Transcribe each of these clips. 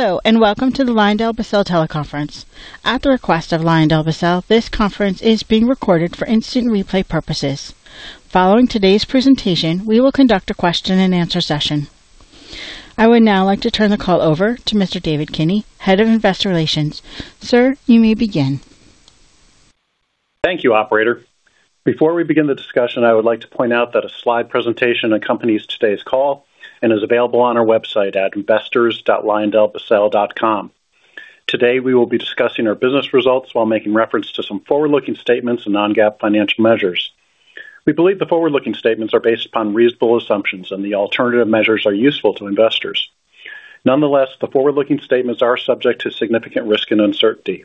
Hello, and welcome to the LyondellBasell Teleconference. At the request of LyondellBasell, this conference is being recorded for instant replay purposes. Following today's presentation, we will conduct a Q&A session. I would now like to turn the call over to Mr. David Kinney, Head of Investor Relations. Sir, you may begin. Thank you, operator. Before we begin the discussion, I would like to point out that a slide presentation accompanies today's call and is available on our website at investors.lyondellbasell.com. Today, we will be discussing our business results while making reference to some forward-looking statements and non-GAAP financial measures. We believe the forward-looking statements are based upon reasonable assumptions and the alternative measures are useful to investors. Nonetheless, the forward-looking statements are subject to significant risk and uncertainty.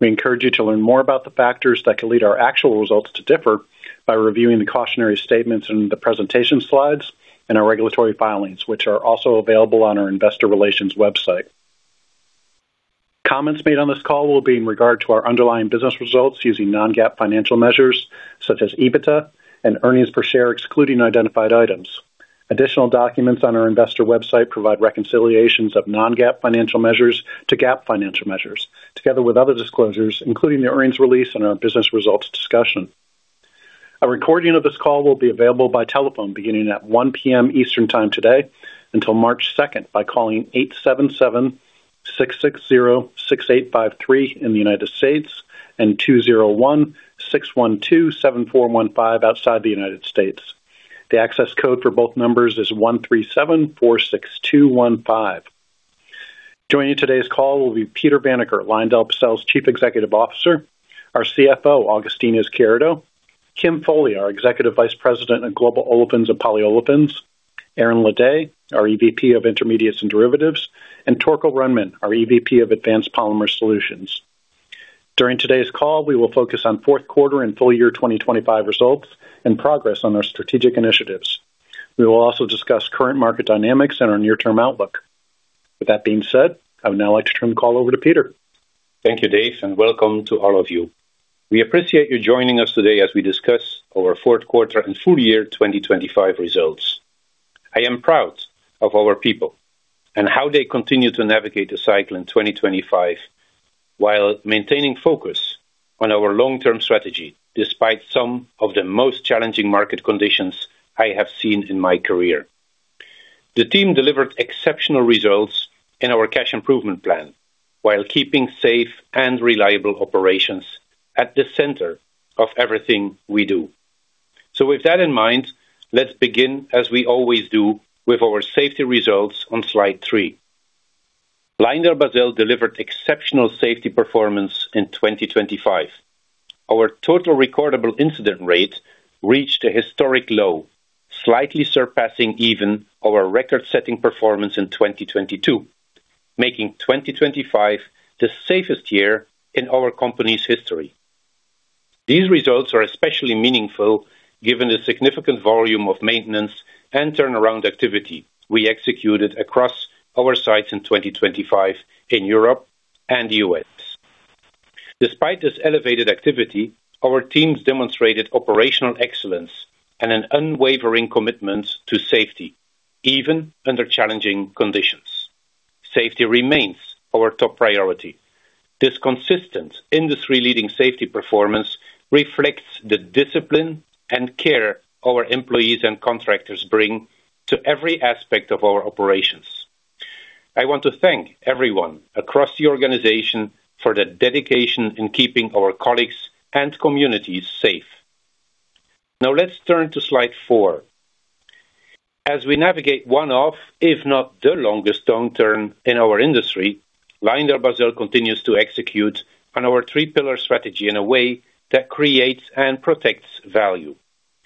We encourage you to learn more about the factors that could lead our actual results to differ by reviewing the cautionary statements in the presentation slides and our regulatory filings, which are also available on our investor relations website. Comments made on this call will be in regard to our underlying business results using non-GAAP financial measures such as EBITDA and earnings per share, excluding identified items. Additional documents on our investor website provide reconciliations of non-GAAP financial measures to GAAP financial measures, together with other disclosures, including the earnings release and our business results discussion. A recording of this call will be available by telephone beginning at 1 P.M. Eastern Time today until March second, by calling 877-660-6853 in the United States and 201-612-7415 outside the United States. The access code for both numbers is 13746215. Joining today's call will be Peter Vanacker, LyondellBasell's Chief Executive Officer, our CFO, Agustin Izquierdo, Kim Foley, our Executive Vice President of Global Olefins and Polyolefins, Aaron Ledet, our EVP of Intermediates and Derivatives, and Torkel Rhenman, our EVP of Advanced Polymer Solutions. During today's call, we will focus on Q4 and full year 2025 results and progress on our strategic initiatives. We will also discuss current market dynamics and our near-term outlook. With that being said, I would now like to turn the call over to Peter. Thank you, Dave, and welcome to all of you. We appreciate you joining us today as we discuss our Q4 and full year 2025 results. I am proud of our people and how they continue to navigate the cycle in 2025 while maintaining focus on our long-term strategy, despite some of the most challenging market conditions I have seen in my career. The team delivered exceptional results in our cash improvement plan while keeping safe and reliable operations at the center of everything we do. So with that in mind, let's begin, as we always do, with our safety results on slide 3. LyondellBasell delivered exceptional safety performance in 2025. Our total recordable incident rate reached a historic low, slightly surpassing even our record-setting performance in 2022, making 2025 the safest year in our company's history. These results are especially meaningful given the significant volume of maintenance and turnaround activity we executed across our sites in 2025 in Europe and the U.S. Despite this elevated activity, our teams demonstrated operational excellence and an unwavering commitment to safety, even under challenging conditions. Safety remains our top priority. This consistent industry-leading safety performance reflects the discipline and care our employees and contractors bring to every aspect of our operations. I want to thank everyone across the organization for their dedication in keeping our colleagues and communities safe. Now, let's turn to slide four. As we navigate one of, if not the longest downturn in our industry, LyondellBasell continues to execute on our three-pillar strategy in a way that creates and protects value,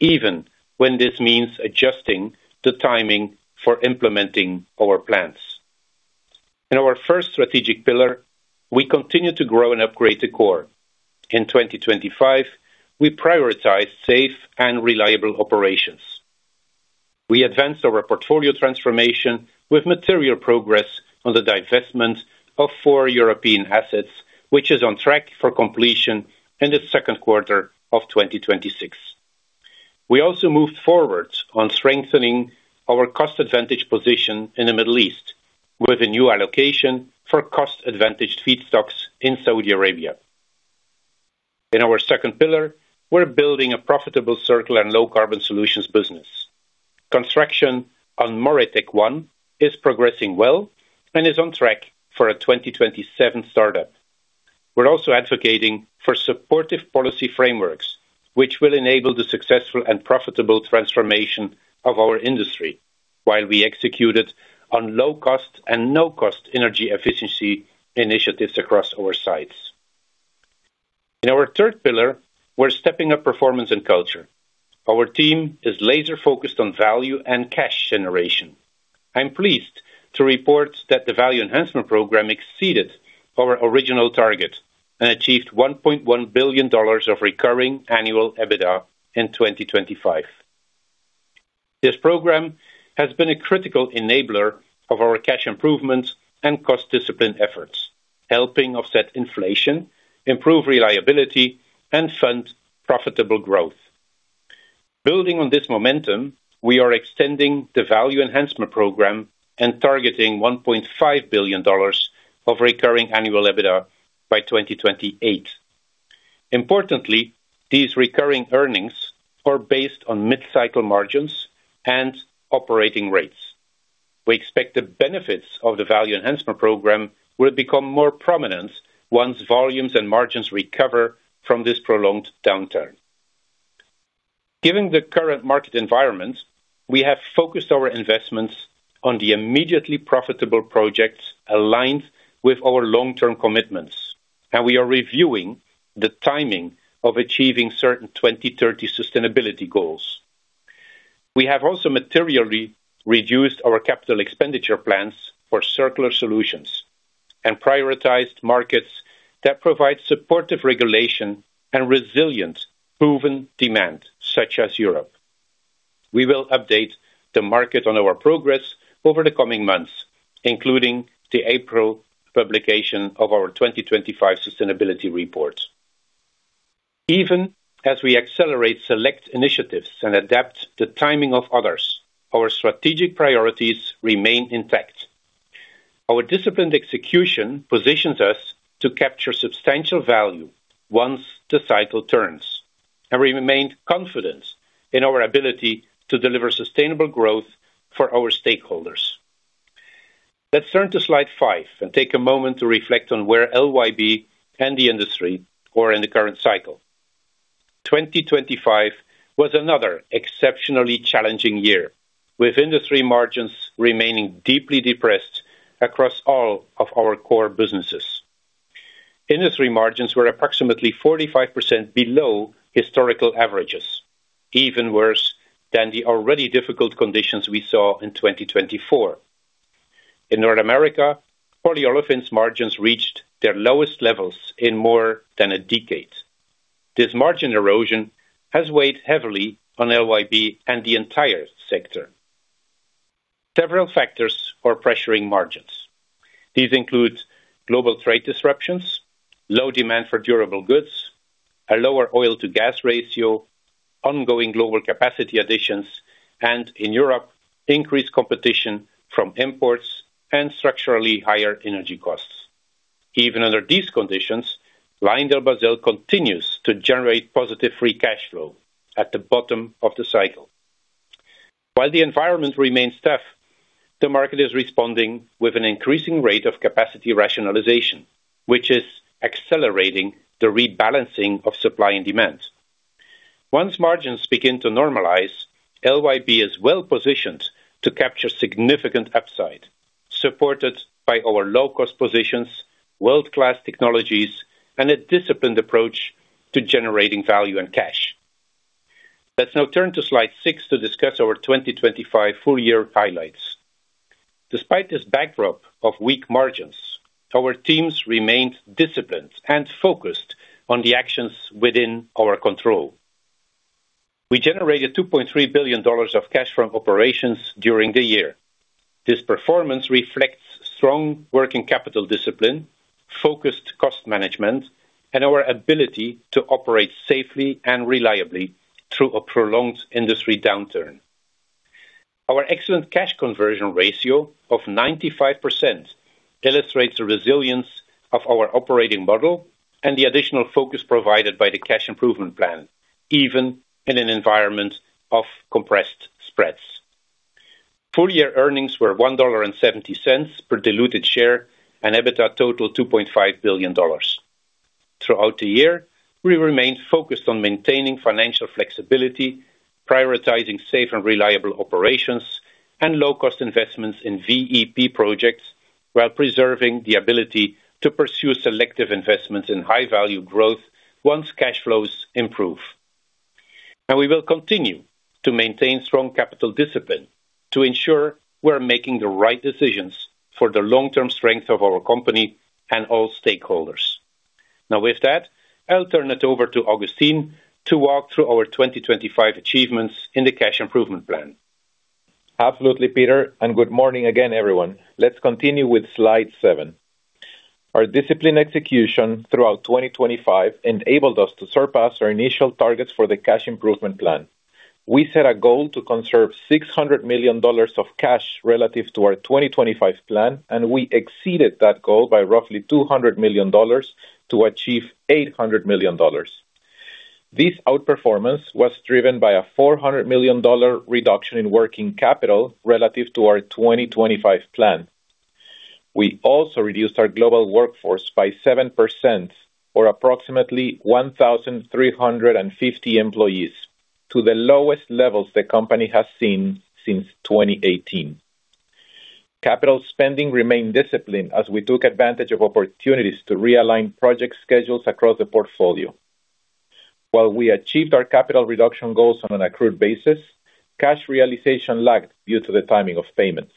even when this means adjusting the timing for implementing our plans. In our first strategic pillar, we continue to grow and upgrade the core. In 2025, we prioritized safe and reliable operations. We advanced our portfolio transformation with material progress on the divestment of four European assets, which is on track for completion in the Q2 of 2026. We also moved forward on strengthening our cost advantage position in the Middle East with a new allocation for cost-advantaged feedstocks in Saudi Arabia. In our second pillar, we're building a profitable circular and low-carbon solutions business. Construction on MoReTec-1 is progressing well and is on track for a 2027 startup. We're also advocating for supportive policy frameworks, which will enable the successful and profitable transformation of our industry, while we executed on low-cost and no-cost energy efficiency initiatives across our sites. In our third pillar, we're stepping up performance and culture. Our team is laser-focused on value and cash generation. I'm pleased to report that the Value Enhancement Program exceeded our original target and achieved $1.1 billion of recurring annual EBITDA in 2025. This program has been a critical enabler of our cash improvement and cost discipline efforts, helping offset inflation, improve reliability, and fund profitable growth.... Building on this momentum, we are extending the Value Enhancement Program and targeting $1.5 billion of recurring annual EBITDA by 2028. Importantly, these recurring earnings are based on mid-cycle margins and operating rates. We expect the benefits of the Value Enhancement Program will become more prominent once volumes and margins recover from this prolonged downturn. Given the current market environment, we have focused our investments on the immediately profitable projects aligned with our long-term commitments, and we are reviewing the timing of achieving certain 2030 sustainability goals. We have also materially reduced our capital expenditure plans for circular solutions and prioritized markets that provide supportive regulation and resilient, proven demand, such as Europe. We will update the market on our progress over the coming months, including the April publication of our 2025 sustainability report. Even as we accelerate select initiatives and adapt the timing of others, our strategic priorities remain intact. Our disciplined execution positions us to capture substantial value once the cycle turns, and we remain confident in our ability to deliver sustainable growth for our stakeholders. Let's turn to slide 5 and take a moment to reflect on where LYB and the industry are in the current cycle. 2025 was another exceptionally challenging year, with industry margins remaining deeply depressed across all of our core businesses. Industry margins were approximately 45% below historical averages, even worse than the already difficult conditions we saw in 2024. In North America, polyolefins margins reached their lowest levels in more than a decade. This margin erosion has weighed heavily on LYB and the entire sector. Several factors are pressuring margins. These include global trade disruptions, low demand for durable goods, a lower oil-to-gas ratio, ongoing global capacity additions, and in Europe, increased competition from imports and structurally higher energy costs. Even under these conditions, LyondellBasell continues to generate positive free cash flow at the bottom of the cycle. While the environment remains tough, the market is responding with an increasing rate of capacity rationalization, which is accelerating the rebalancing of supply and demand. Once margins begin to normalize, LYB is well-positioned to capture significant upside, supported by our low-cost positions, world-class technologies, and a disciplined approach to generating value and cash. Let's now turn to slide 6 to discuss our 2025 full-year highlights. Despite this backdrop of weak margins, our teams remained disciplined and focused on the actions within our control. We generated $2.3 billion of cash from operations during the year. This performance reflects strong working capital discipline, focused cost management, and our ability to operate safely and reliably through a prolonged industry downturn. Our excellent cash conversion ratio of 95% illustrates the resilience of our operating model and the additional focus provided by the cash improvement plan, even in an environment of compressed spreads. Full-year earnings were $1.70 per diluted share, and EBITDA totaled $2.5 billion. Throughout the year, we remained focused on maintaining financial flexibility, prioritizing safe and reliable operations, and low-cost investments in VEP projects, while preserving the ability to pursue selective investments in high-value growth once cash flows improve. We will continue to maintain strong capital discipline to ensure we're making the right decisions for the long-term strength of our company and all stakeholders. Now, with that, I'll turn it over to Agustin to walk through our 2025 achievements in the cash improvement plan. Absolutely, Peter, and good morning again, everyone. Let's continue with slide 7. Our disciplined execution throughout 2025 enabled us to surpass our initial targets for the cash improvement plan. We set a goal to conserve $600 million of cash relative to our 2025 plan, and we exceeded that goal by roughly $200 million to achieve $800 million. This outperformance was driven by a $400 million reduction in working capital relative to our 2025 plan. We also reduced our global workforce by 7%, or approximately 1,350 employees, to the lowest levels the company has seen since 2018. Capital spending remained disciplined as we took advantage of opportunities to realign project schedules across the portfolio. While we achieved our capital reduction goals on an accrued basis, cash realization lagged due to the timing of payments.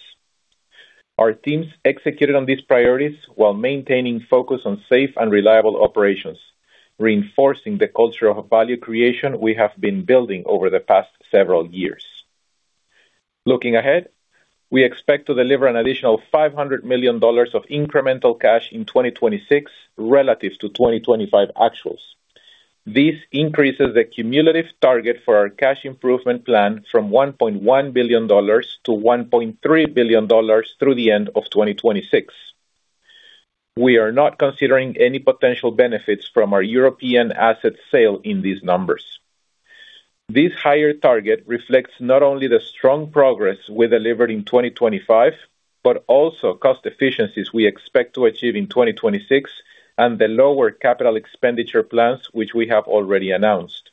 Our teams executed on these priorities while maintaining focus on safe and reliable operations, reinforcing the culture of value creation we have been building over the past several years. Looking ahead, we expect to deliver an additional $500 million of incremental cash in 2026 relative to 2025 actuals. This increases the cumulative target for our cash improvement plan from $1.1 billion to $1.3 billion through the end of 2026. We are not considering any potential benefits from our European asset sale in these numbers. This higher target reflects not only the strong progress we delivered in 2025, but also cost efficiencies we expect to achieve in 2026, and the lower capital expenditure plans, which we have already announced.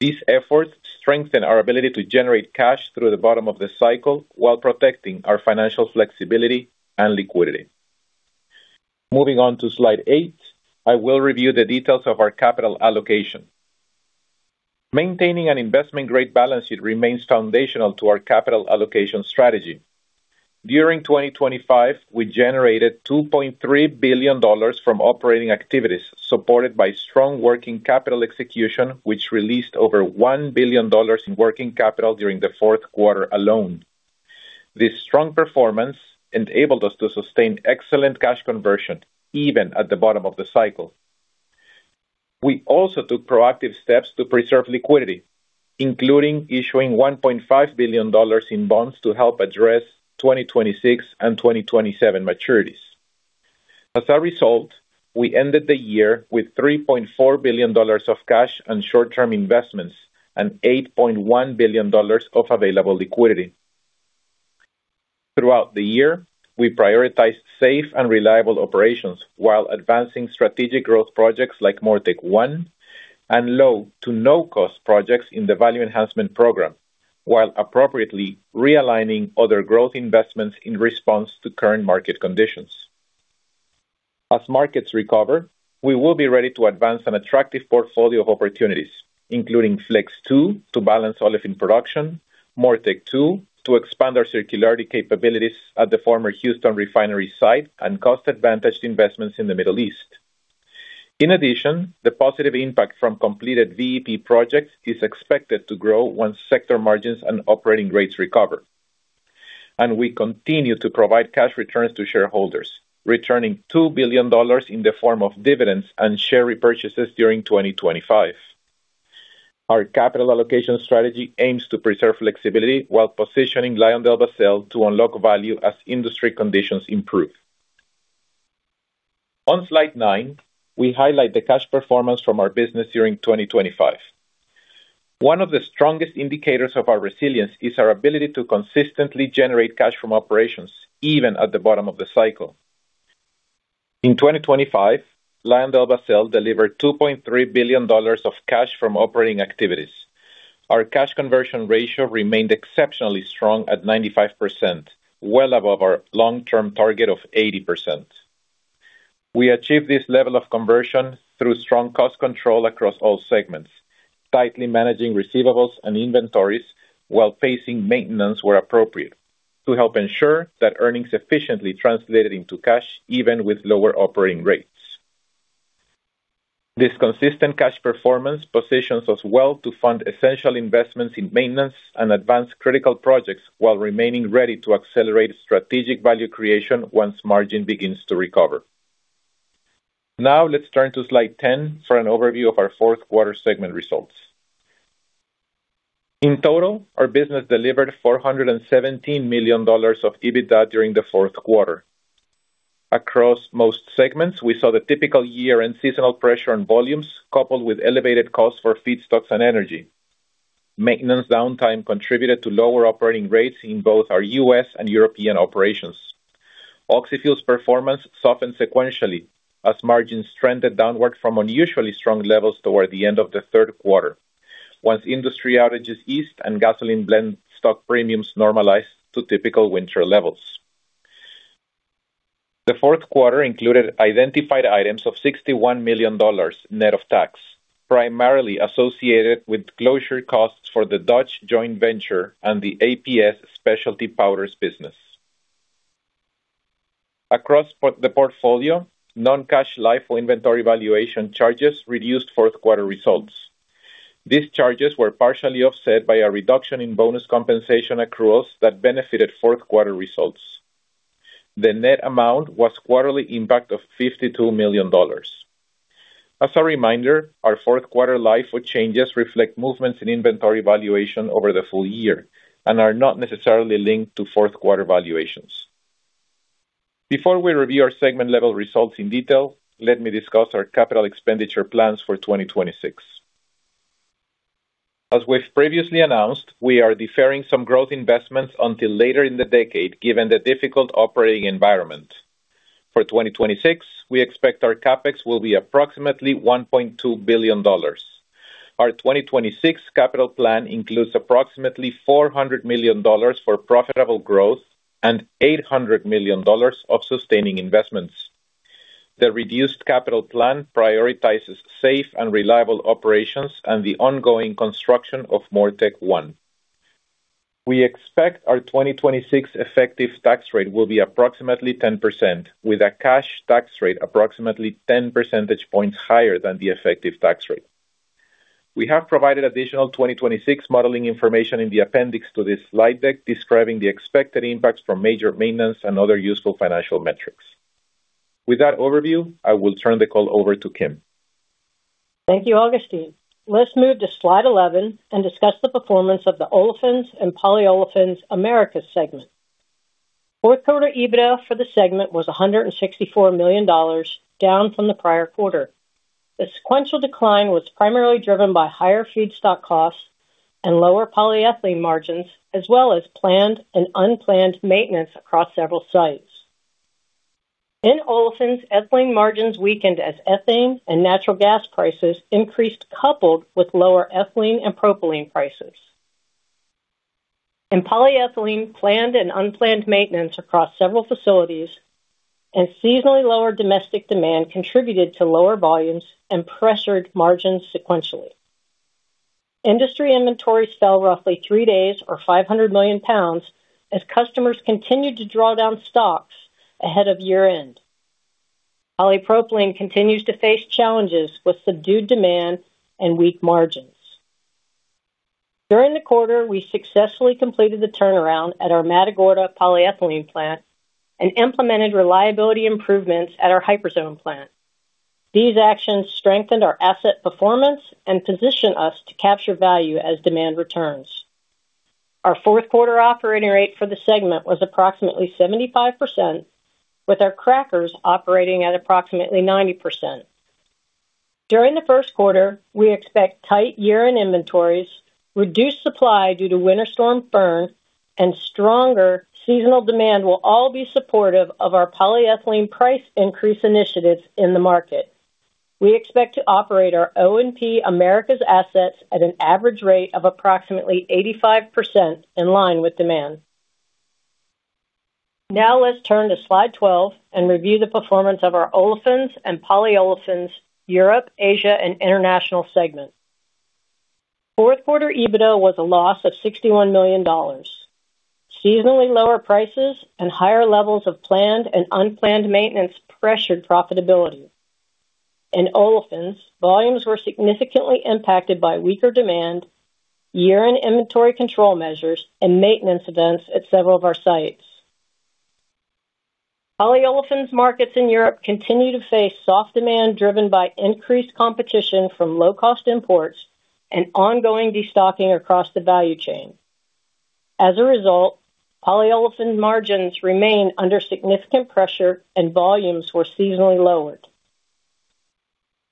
These efforts strengthen our ability to generate cash through the bottom of the cycle while protecting our financial flexibility and liquidity. Moving on to Slide 8, I will review the details of our capital allocation. Maintaining an Investment-Grade Balance Sheet remains foundational to our capital allocation strategy. During 2025, we generated $2.3 billion from operating activities, supported by strong Working Capital execution, which released over $1 billion in Working Capital during the Q4 alone. This strong performance enabled us to sustain excellent cash conversion, even at the bottom of the cycle. We also took proactive steps to preserve liquidity, including issuing $1.5 billion in bonds to help address 2026 and 2027 maturities. As a result, we ended the year with $3.4 billion of cash and short-term investments and $8.1 billion of available liquidity. Throughout the year, we prioritized safe and reliable operations while advancing strategic growth projects like MoReTec-1 and low to no-cost projects in the Value Enhancement Program, while appropriately realigning other growth investments in response to current market conditions. As markets recover, we will be ready to advance an attractive portfolio of opportunities, including Flex 2 to balance olefin production, MoReTec-2 to expand our circularity capabilities at the former Houston refinery site, and cost-advantaged investments in the Middle East. In addition, the positive impact from completed VEP projects is expected to grow once sector margins and operating rates recover. We continue to provide cash returns to shareholders, returning $2 billion in the form of dividends and share repurchases during 2025. Our capital allocation strategy aims to preserve flexibility while positioning LyondellBasell to unlock value as industry conditions improve. On Slide 9, we highlight the cash performance from our business during 2025. One of the strongest indicators of our resilience is our ability to consistently generate cash from operations, even at the bottom of the cycle. In 2025, LyondellBasell delivered $2.3 billion of cash from operating activities. Our cash conversion ratio remained exceptionally strong at 95%, well above our long-term target of 80%. We achieved this level of conversion through strong cost control across all segments, tightly managing receivables and inventories while pacing maintenance where appropriate, to help ensure that earnings efficiently translated into cash, even with lower operating rates. This consistent cash performance positions us well to fund essential investments in maintenance and advance critical projects while remaining ready to accelerate strategic value creation once margin begins to recover. Now, let's turn to Slide 10 for an overview of our Q4 segment results. In total, our business delivered $417 million of EBITDA during the Q4. Across most segments, we saw the typical year-end seasonal pressure on volumes, coupled with elevated costs for feedstocks and energy. Maintenance downtime contributed to lower operating rates in both our U.S. and European operations. Oxyfuels performance softened sequentially as margins trended downward from unusually strong levels toward the end of the Q3, once industry outages eased and gasoline blend stock premiums normalized to typical winter levels. The Q4 included identified items of $61 million net of tax, primarily associated with closure costs for the Dutch joint venture and the APS Specialty Powders business. Across the portfolio, non-cash LIFO inventory valuation charges reduced Q4 results. These charges were partially offset by a reduction in bonus compensation accruals that benefited Q4 results. The net amount was quarterly impact of $52 million. As a reminder, our Q4 LIFO changes reflect movements in inventory valuation over the full year and are not necessarily linked to Q4 valuations. Before we review our segment-level results in detail, let me discuss our capital expenditure plans for 2026. As we've previously announced, we are deferring some growth investments until later in the decade, given the difficult operating environment. For 2026, we expect our CapEx will be approximately $1.2 billion. Our 2026 capital plan includes approximately $400 million for profitable growth and $800 million of sustaining investments. The reduced capital plan prioritizes safe and reliable operations and the ongoing construction of MoReTec-1. We expect our 2026 effective tax rate will be approximately 10%, with a cash tax rate approximately 10 percentage points higher than the effective tax rate. We have provided additional 2026 modeling information in the appendix to this slide deck, describing the expected impacts from major maintenance and other useful financial metrics. With that overview, I will turn the call over to Kim. Thank you, Agustin. Let's move to slide 11 and discuss the performance of the Olefins and Polyolefins Americas segment. Q4 EBITDA for the segment was $164 million, down from the prior quarter. The sequential decline was primarily driven by higher feedstock costs and lower polyethylene margins, as well as planned and unplanned maintenance across several sites. In Olefins, ethylene margins weakened as ethane and natural gas prices increased, coupled with lower ethylene and propylene prices. In polyethylene, planned and unplanned maintenance across several facilities and seasonally lower domestic demand contributed to lower volumes and pressured margins sequentially. Industry inventories fell roughly three days or 500 million pounds as customers continued to draw down stocks ahead of year-end. Polypropylene continues to face challenges with subdued demand and weak margins. During the quarter, we successfully completed the turnaround at our Matagorda polyethylene plant and implemented reliability improvements at our Hyperzone plant. These actions strengthened our asset performance and position us to capture value as demand returns. Our Q4 operating rate for the segment was approximately 75%, with our crackers operating at approximately 90%. During the Q1, we expect tight year-end inventories, reduced supply due to Winter Storm Fern, and stronger seasonal demand will all be supportive of our polyethylene price increase initiatives in the market. We expect to operate our O&P Americas assets at an average rate of approximately 85% in line with demand. Now, let's turn to slide 12 and review the performance of our Olefins and Polyolefins Europe, Asia, and International segment. Q4 EBITDA was a loss of $61 million. Seasonally, lower prices and higher levels of planned and unplanned maintenance pressured profitability. In Olefins, volumes were significantly impacted by weaker demand, year-end inventory control measures, and maintenance events at several of our sites. Polyolefins markets in Europe continue to face soft demand, driven by increased competition from low-cost imports and ongoing destocking across the value chain. As a result, polyolefin margins remain under significant pressure, and volumes were seasonally lowered.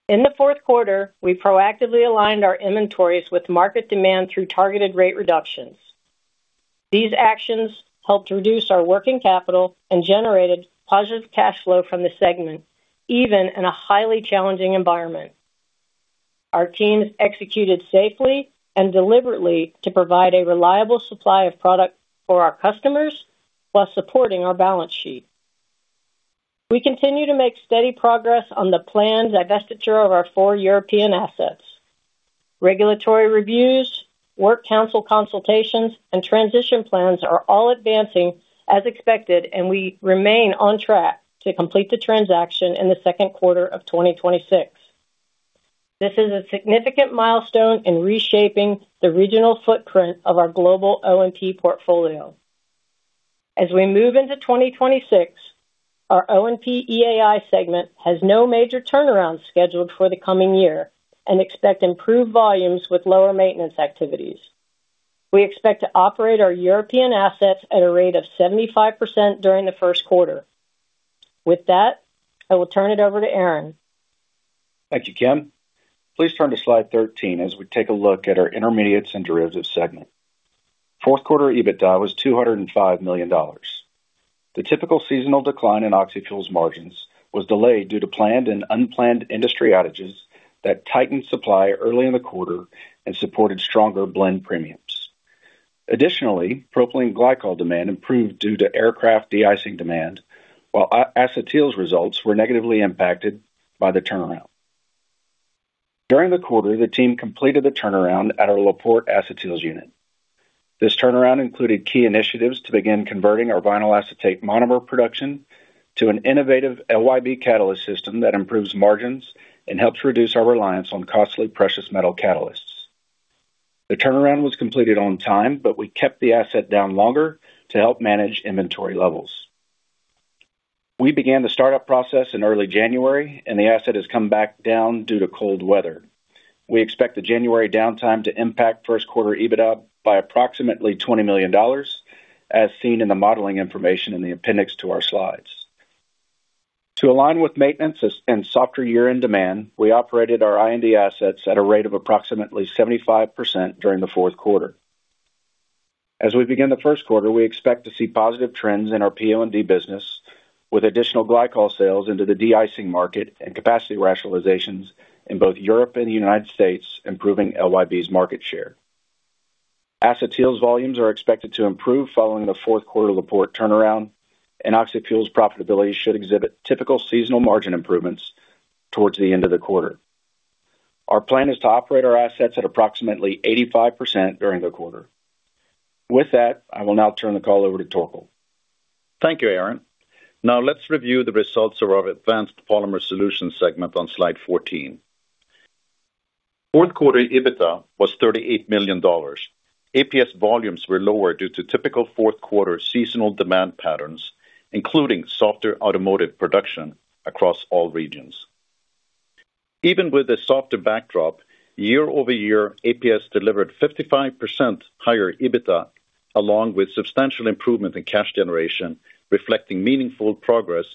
In the Q4, we proactively aligned our inventories with market demand through targeted rate reductions. These actions helped reduce our working capital and generated positive cash flow from the segment, even in a highly challenging environment. Our teams executed safely and deliberately to provide a reliable supply of product for our customers while supporting our balance sheet. We continue to make steady progress on the planned divestiture of our four European assets. Regulatory reviews, work council consultations, and transition plans are all advancing as expected, and we remain on track to complete the transaction in the Q2 of 2026. This is a significant milestone in reshaping the regional footprint of our global O&P portfolio. As we move into 2026, our O&P EAI segment has no major turnaround scheduled for the coming year and expect improved volumes with lower maintenance activities. We expect to operate our European assets at a rate of 75% during the Q1. With that, I will turn it over to Aaron. Thank you, Kim. Please turn to slide 13 as we take a look at our Intermediates and Derivatives segment. Q4 EBITDA was $205 million. The typical seasonal decline in oxyfuels margins was delayed due to planned and unplanned industry outages that tightened supply early in the quarter and supported stronger blend premiums. Additionally, propylene glycol demand improved due to aircraft de-icing demand, while acetyls results were negatively impacted by the turnaround. During the quarter, the team completed the turnaround at our La Porte acetyls unit. This turnaround included key initiatives to begin converting our vinyl acetate monomer production to an innovative LYB catalyst system that improves margins and helps reduce our reliance on costly, precious metal catalysts. The turnaround was completed on time, but we kept the asset down longer to help manage inventory levels. We began the startup process in early January, and the asset has come back down due to cold weather. We expect the January downtime to impact Q1 EBITDA by approximately $20 million, as seen in the modeling information in the appendix to our slides. To align with maintenance and softer year-end demand, we operated our I&D assets at a rate of approximately 75% during the Q4. As we begin the Q1, we expect to see positive trends in our PO&D business, with additional glycol sales into the de-icing market and capacity rationalizations in both Europe and the United States, improving LYB's market share. Acetyls volumes are expected to improve following the Q4 La Porte turnaround, and oxyfuels profitability should exhibit typical seasonal margin improvements towards the end of the quarter. Our plan is to operate our assets at approximately 85% during the quarter. With that, I will now turn the call over to Torkel.... Thank you, Aaron. Now let's review the results of our Advanced Polymer Solutions segment on slide 14. Q4 EBITDA was $38 million. APS volumes were lower due to typical Q4 seasonal demand patterns, including softer automotive production across all regions. Even with a softer backdrop, year-over-year, APS delivered 55% higher EBITDA, along with substantial improvement in cash generation, reflecting meaningful progress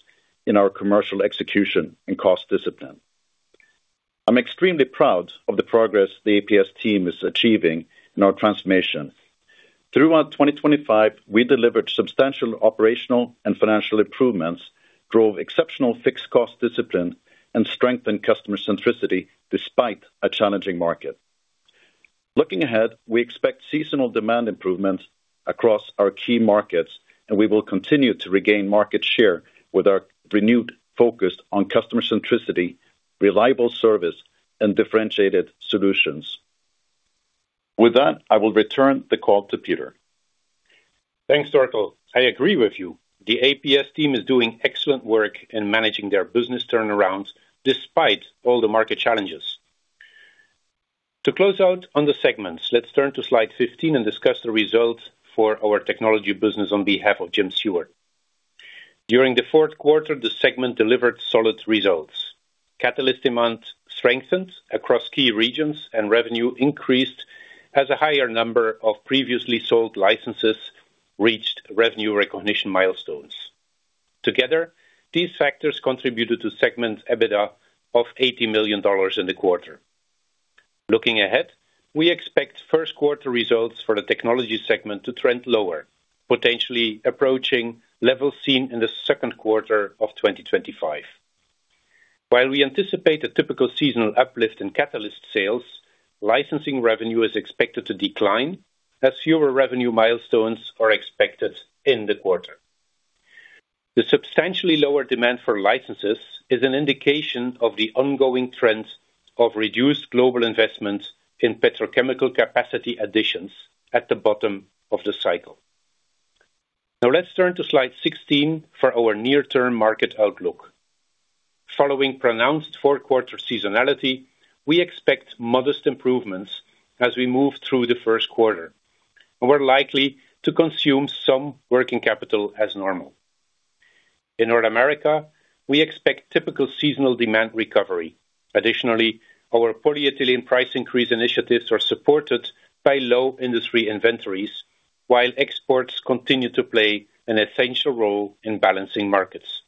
in our commercial execution and cost discipline. I'm extremely proud of the progress the APS team is achieving in our transformation. Throughout 2025, we delivered substantial operational and financial improvements, drove exceptional fixed cost discipline, and strengthened customer centricity despite a challenging market. Looking ahead, we expect seasonal demand improvements across our key markets, and we will continue to regain market share with our renewed focus on customer centricity, reliable service, and differentiated solutions. With that, I will return the call to Peter. Thanks, Torkel. I agree with you. The APS team is doing excellent work in managing their business turnarounds despite all the market challenges. To close out on the segments, let's turn to slide 15 and discuss the results for our technology business on behalf of Jim Seward. During the Q4, the segment delivered solid results. Catalyst demand strengthened across key regions, and revenue increased as a higher number of previously sold licenses reached revenue recognition milestones. Together, these factors contributed to segment EBITDA of $80 million in the quarter. Looking ahead, we expect Q1 results for the technology segment to trend lower, potentially approaching levels seen in the Q2 of 2025. While we anticipate a typical seasonal uplift in catalyst sales, licensing revenue is expected to decline as fewer revenue milestones are expected in the quarter. The substantially lower demand for licenses is an indication of the ongoing trends of reduced global investments in petrochemical capacity additions at the bottom of the cycle. Now, let's turn to slide 16 for our near-term market outlook. Following pronounced Q4 seasonality, we expect modest improvements as we move through the Q1, and we're likely to consume some working capital as normal. In North America, we expect typical seasonal demand recovery. Additionally, our polyethylene price increase initiatives are supported by low industry inventories, while exports continue to play an essential role in balancing markets.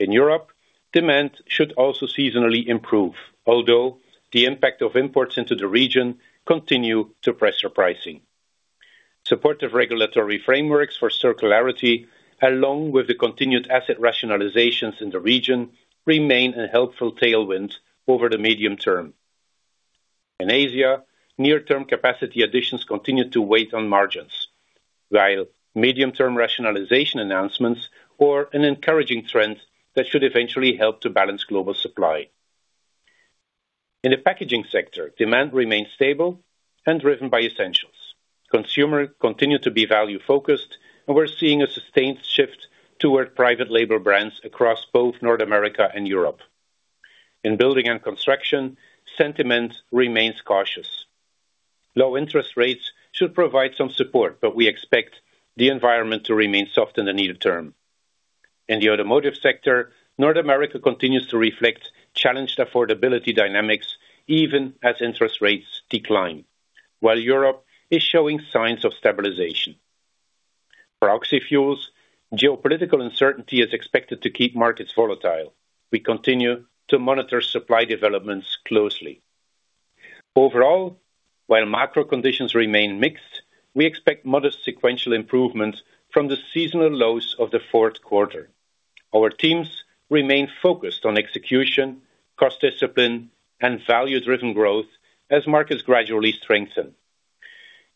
In Europe, demand should also seasonally improve, although the impact of imports into the region continue to pressure pricing. Supportive regulatory frameworks for circularity, along with the continued asset rationalizations in the region, remain a helpful tailwind over the medium term. In Asia, near-term capacity additions continue to weigh on margins, while medium-term rationalization announcements are an encouraging trend that should eventually help to balance global supply. In the packaging sector, demand remains stable and driven by essentials. Consumers continue to be value-focused, and we're seeing a sustained shift toward private label brands across both North America and Europe. In building and construction, sentiment remains cautious. Low interest rates should provide some support, but we expect the environment to remain soft in the near term. In the automotive sector, North America continues to reflect challenged affordability dynamics even as interest rates decline, while Europe is showing signs of stabilization. For oxyfuels, geopolitical uncertainty is expected to keep markets volatile. We continue to monitor supply developments closely. Overall, while macro conditions remain mixed, we expect modest sequential improvements from the seasonal lows of the Q4. Our teams remain focused on execution, cost discipline, and value-driven growth as markets gradually strengthen.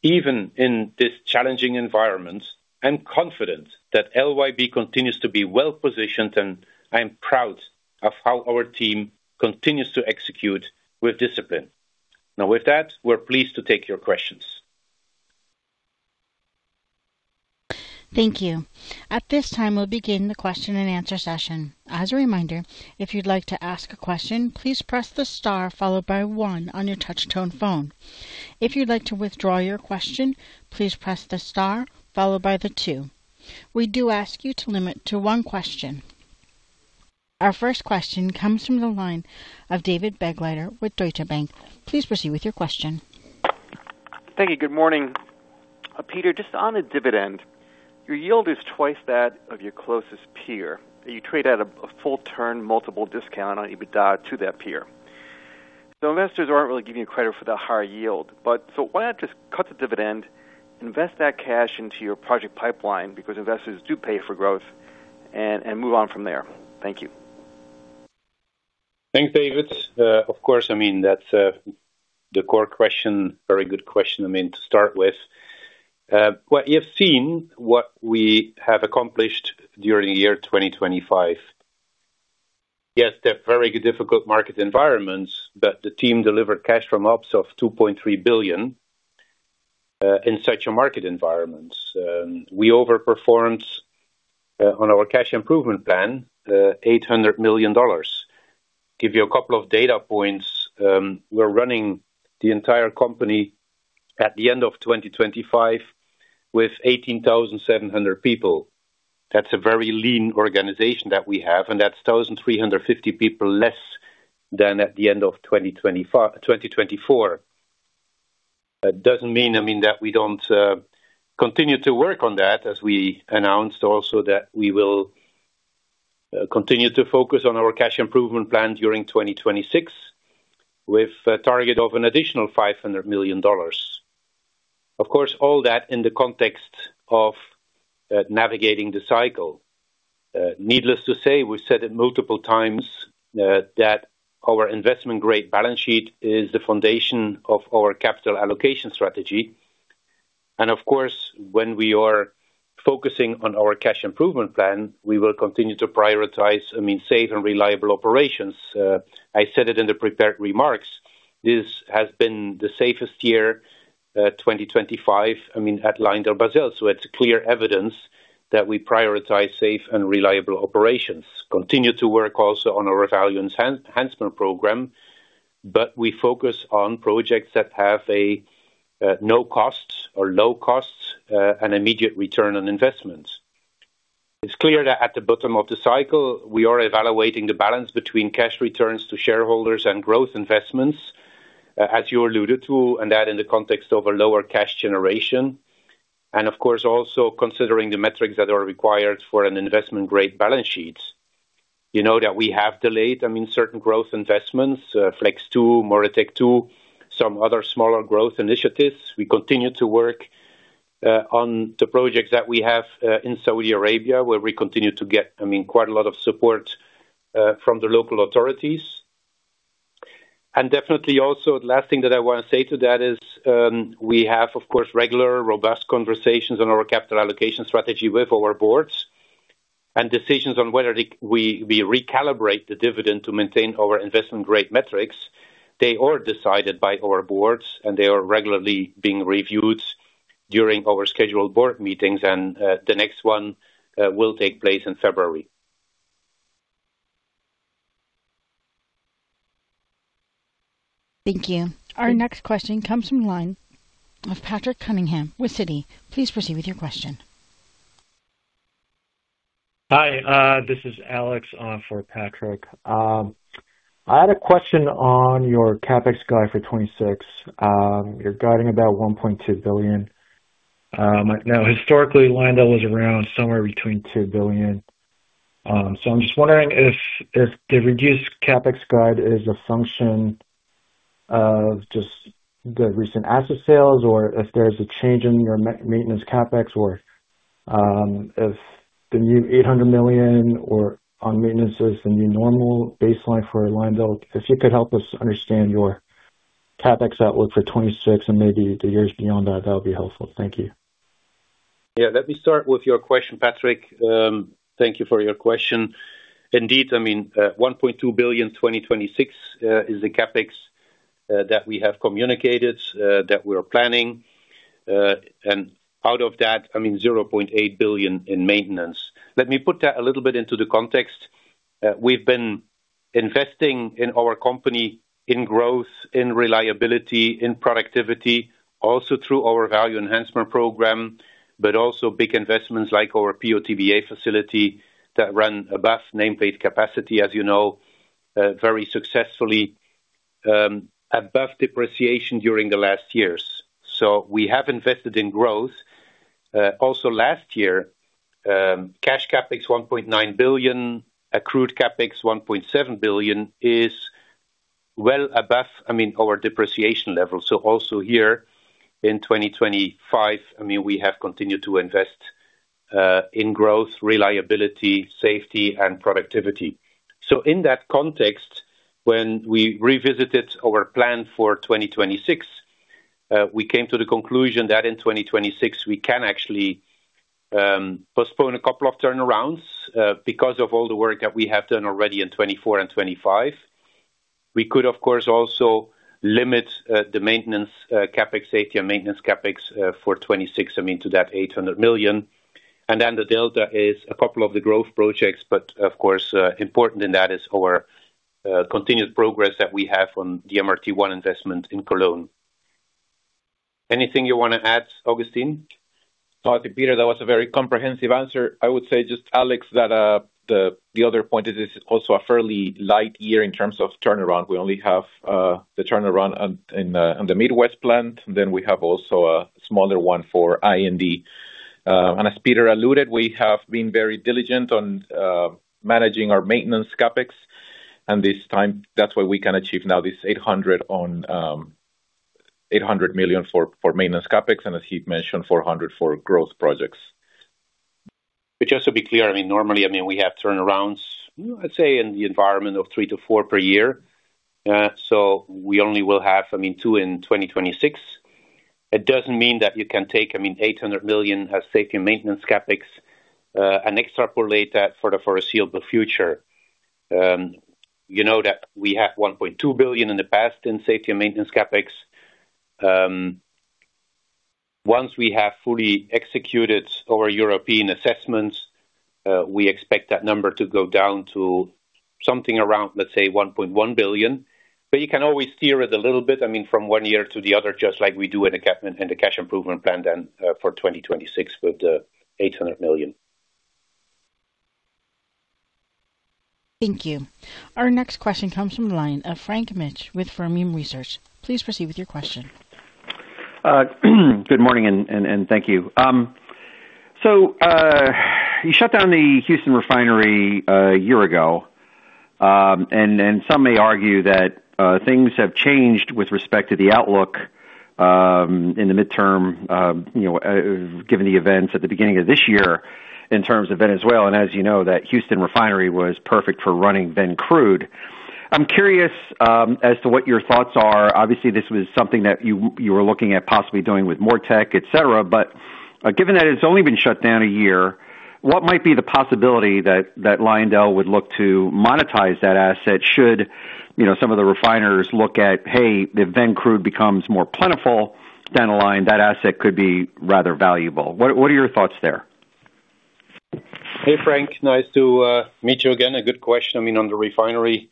Even in this challenging environment, I'm confident that LYB continues to be well-positioned, and I am proud of how our team continues to execute with discipline. Now, with that, we're pleased to take your questions. Thank you. At this time, we'll begin the Q&A session. As a reminder, if you'd like to ask a question, please press the star followed by one on your touch tone phone. If you'd like to withdraw your question, please press the star followed by the two. We do ask you to limit to one question. Our first question comes from the line of David Begleiter with Deutsche Bank. Please proceed with your question. Thank you. Good morning. Peter, just on a dividend, your yield is twice that of your closest peer. You trade at a full turn multiple discount on EBITDA to that peer. So investors aren't really giving you credit for that higher yield, but so why not just cut the dividend, invest that cash into your project pipeline, because investors do pay for growth, and move on from there? Thank you. Thanks, David. Of course, I mean, that's the core question. Very good question, I mean, to start with. Well, you've seen what we have accomplished during the year 2025. Yes, they're very difficult market environments, but the team delivered cash from ops of $2.3 billion in such a market environment. We overperformed on our cash improvement plan $800 million. Give you a couple of data points. We're running the entire company at the end of 2025 with 18,700 people. That's a very lean organization that we have, and that's 1,350 people less than at the end of 2024. That doesn't mean, I mean, that we don't continue to work on that, as we announced also, that we will continue to focus on our cash improvement plan during 2026, with a target of an additional $500 million. Of course, all that in the context of navigating the cycle. Needless to say, we've said it multiple times, that our Investment-Grade Balance Sheet is the foundation of our capital allocation strategy. And of course, when we are focusing on our cash improvement plan, we will continue to prioritize, I mean, safe and reliable operations. I said it in the prepared remarks, this has been the safest year, 2025, I mean, at LyondellBasell. So it's clear evidence that we prioritize safe and reliable operations. Continue to work also on our Value Enhancement Program, but we focus on projects that have a no costs or low costs, and immediate return on investments. It's clear that at the bottom of the cycle, we are evaluating the balance between cash returns to shareholders and growth investments, as you alluded to, and that in the context of a lower cash generation. And of course, also considering the metrics that are required for an Investment-Grade Balance Sheet. You know, that we have delayed, I mean, certain growth investments, Flex 2, MoReTec-2, some other smaller growth initiatives. We continue to work on the projects that we have in Saudi Arabia, where we continue to get, I mean, quite a lot of support from the local authorities. Definitely also, the last thing that I want to say to that is, we have, of course, regular robust conversations on our capital allocation strategy with our boards. Decisions on whether we recalibrate the dividend to maintain our investment-grade metrics. They are decided by our boards, and they are regularly being reviewed during our scheduled board meetings, and the next one will take place in February. Thank you. Our next question comes from the line of Patrick Cunningham with Citi. Please proceed with your question. Hi, this is Alex, for Patrick. I had a question on your CapEx guide for 2026. You're guiding about $1.2 billion. Now, historically, Lyondell was around somewhere between $2 billion. So I'm just wondering if, if the reduced CapEx guide is a function of just the recent asset sales, or if there's a change in your maintenance CapEx, or, if the new $800 million on maintenance is the new normal baseline for Lyondell. If you could help us understand your CapEx outlook for 2026 and maybe the years beyond that, that would be helpful. Thank you. Let me start with your question, Patrick. Thank you for your question. Indeed, I mean, $1.2 billion in 2026 is the CapEx that we have communicated that we are planning. And out of that, I mean, $0.8 billion in maintenance. Let me put that a little bit into the context. We've been investing in our company in growth, in reliability, in productivity, also through our Value Enhancement Program, but also big investments like our PO/TBA facility that run above nameplate capacity, as you know, very successfully, above depreciation during the last years. So we have invested in growth. Also last year, cash CapEx $1.9 billion, accrued CapEx $1.7 billion, is well above, I mean, our depreciation level. So also here in 2025, I mean, we have continued to invest in growth, reliability, safety, and productivity. So in that context, when we revisited our plan for 2026, we came to the conclusion that in 2026 we can actually postpone a couple of turnarounds because of all the work that we have done already in 2024 and 2025. We could, of course, also limit the maintenance CapEx, safety and maintenance CapEx for 2026, I mean, to that $800 million. And then the delta is a couple of the growth projects, but of course, important in that is our continued progress that we have on the MoReTec-1 investment in Cologne. Anything you want to add, Agustin? Peter, that was a very comprehensive answer. I would say just, Alex, that the other point is this is also a fairly light year in terms of turnaround. We only have the turnaround on the Midwest plant, then we have also a smaller one for I&D. And as Peter alluded, we have been very diligent on managing our maintenance CapEx, and this time, that's why we can achieve now this $800 million for maintenance CapEx, and as he mentioned, $400 million for growth projects. But just to be clear, I mean, normally, I mean, we have turnarounds, I'd say, in the environment of 3-4 per year. So we only will have, I mean, 2 in 2026. It doesn't mean that you can take, I mean, $800 billion as safety and maintenance CapEx, and extrapolate that for the foreseeable future. You know that we have $1.2 billion in the past in safety and maintenance CapEx. Once we have fully executed our European assessments, we expect that number to go down to something around, let's say, $1.1 billion. But you can always steer it a little bit, I mean, from one year to the other, just like we do in the cash improvement plan, then, for 2026 with $800 million. Thank you. Our next question comes from the line of Frank Mitsch with Fermium Research. Please proceed with your question. Good morning, and thank you. So, you shut down the Houston refinery a year ago, and some may argue that things have changed with respect to the outlook in the midterm, you know, given the events at the beginning of this year in terms of Venezuela. And as you know, that Houston refinery was perfect for running Ven crude. I'm curious as to what your thoughts are. Obviously, this was something that you were looking at possibly doing with MoReTec, et cetera, but given that it's only been shut down a year, what might be the possibility that Lyondell would look to monetize that asset should, you know, some of the refiners look at, "Hey, if Venezuelan crude becomes more plentiful down the line, that asset could be rather valuable." What are your thoughts there? Hey, Frank, nice to meet you again. A good question, I mean, on the refinery,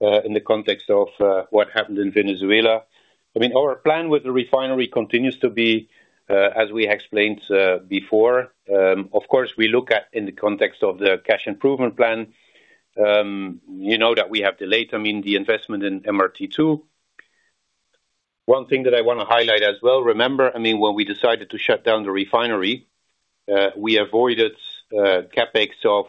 in the context of what happened in Venezuela. I mean, our plan with the refinery continues to be as we explained before. Of course, we look at in the context of the cash improvement plan, you know, that we have delayed, I mean, the investment in MoReTec-2. One thing that I want to highlight as well, remember, I mean, when we decided to shut down the refinery, we avoided CapEx of,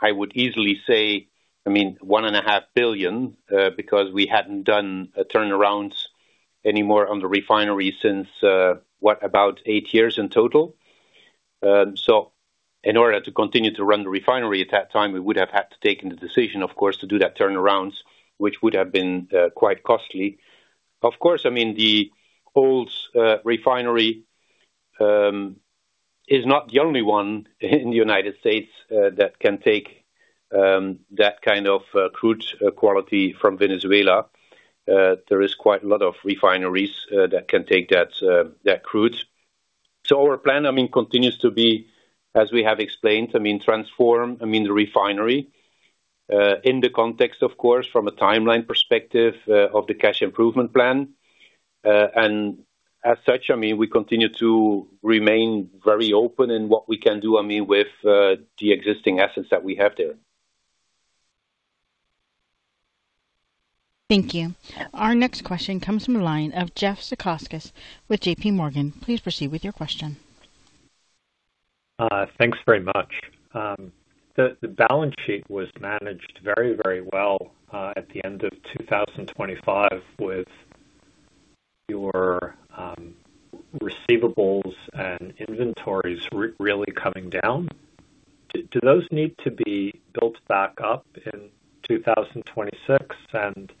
I would easily say, I mean, $1.5 billion, because we hadn't done a turnaround anymore on the refinery since what? About eight years in total. So in order to continue to run the refinery at that time, we would have had to taken the decision, of course, to do that turnarounds, which would have been quite costly. Of course, I mean, the old refinery is not the only one in the United States that can take that crude quality from Venezuela. There is quite a lot of refineries that can take that that crude. So our plan, I mean, continues to be, as we have explained, I mean, transform, I mean, the refinery in the context, of course, from a timeline perspective, of the Cash Improvement Plan. As such, I mean, we continue to remain very open in what we can do, I mean, with the existing assets that we have there. Thank you. Our next question comes from a line of Jeff Zekauskas with J.P. Morgan. Please proceed with your question. Thanks very much. The balance sheet was managed very, very well at the end of 2025, with your receivables and inventories really coming down. Do those need to be built back up in 2026? And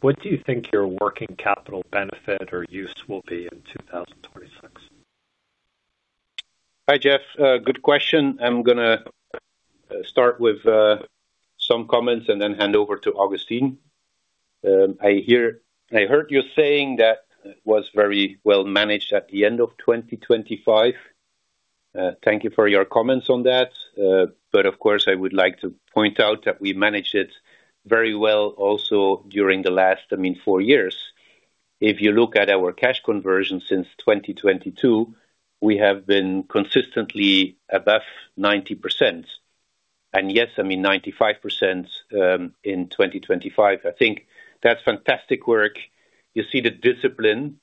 what do you think your working capital benefit or use will be in 2026? Hi, Jeff. Good question. I'm gonna start with some comments and then hand over to Augustine. I heard you saying that it was very well managed at the end of 2025. Thank you for your comments on that. But of course, I would like to point out that we managed it very well also during the last, I mean, four years. If you look at our cash conversion since 2022, we have been consistently above 90%. And yes, I mean, 95%, in 2025. I think that's fantastic work. You see the discipline